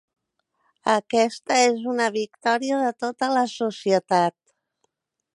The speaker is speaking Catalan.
Aquesta és una victòria de tota la societat.